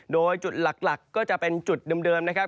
โดยจุดหลักก็จะเป็นจุดเดิมนะครับ